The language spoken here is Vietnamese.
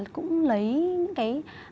cũng lấy những cái